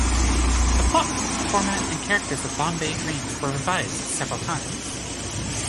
The plot, format and characters of "Bombay Dreams" were revised several times.